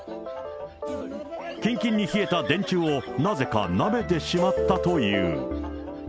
きんきんに冷えた電柱をなぜかなめてしまったという。